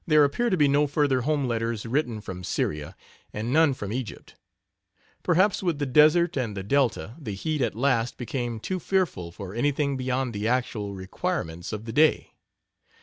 There appear to be no further home letters written from Syria and none from Egypt. Perhaps with the desert and the delta the heat at last became too fearful for anything beyond the actual requirements of the day.